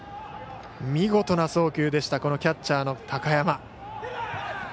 見事な送球でしたキャッチャーの高山。